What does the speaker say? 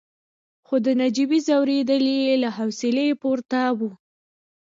خو د نجيبې ځورېدل يې له حوصلې پورته وو.